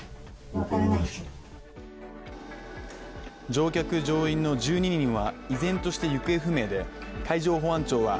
乗客乗員の１２人は依然として行方不明で、海上保安庁は、